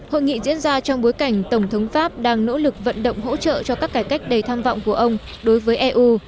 hội nghị diễn ra trong bối cảnh tổng thống pháp đang nỗ lực vận động hỗ trợ cho các cải cách đầy tham vọng của ông đối với eu